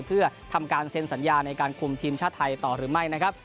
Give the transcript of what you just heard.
เพื่อทำการเซ็นสัญญาในการคุมทีมชาติไทยต่อหรือไม่นะครับ